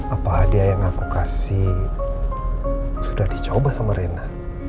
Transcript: apa hadiah yang aku kasih sudah dicoba sama rena